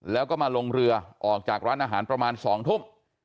แล้วก็มาลงเรือออกจากร้านอาหารประมาณ๒ทุ่ม